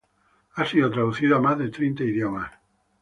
Ha sido traducido a más de treinta idiomas.